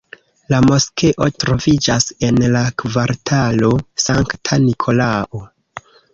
La moskeo troviĝas en la kvartalo Sankta Nikolao.